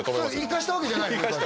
いかしたわけじゃないの？